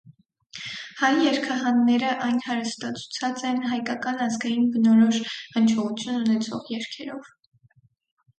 Հայ երգահանները այն հարստացուցած են հայկական ազգային բնորոշ հնչողութիւն ունեցող երգերով։